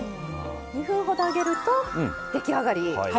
２分ほど揚げると出来上がり。